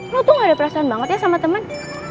lu tuh gak ada perasaan banget ya sama temen